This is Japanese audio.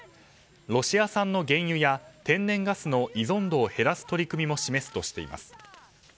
ロシア産の原油や天然ガスの依存度を減らす取り組みも示すとしています。